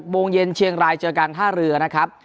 โมงเย็นเชียงรายเจอกันท่าเรือนะครับ